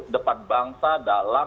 depan bangsa dalam